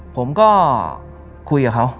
ผมก็คุยกับเขา